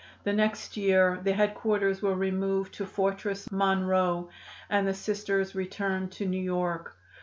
The next year the headquarters were removed to Fortress Monroe and the Sisters returned to New York.